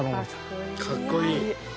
かっこいい。